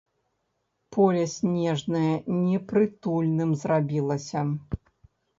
Поле снежнае непрытульным зрабілася.